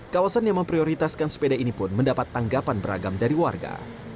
kawasan yang memprioritaskan sepeda ini pun mendapat tanggapan beragam dari warga